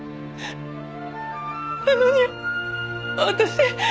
なのに私。